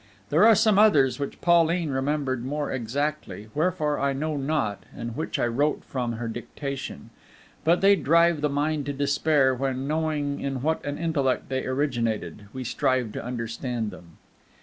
There are some others which Pauline remembered more exactly, wherefore I know not, and which I wrote from her dictation; but they drive the mind to despair when, knowing in what an intellect they originated, we strive to understand them.